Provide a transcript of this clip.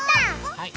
はい。